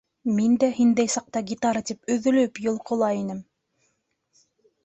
Мин дә һиндәй саҡта гитара тип өҙөлөп-йолҡола инем.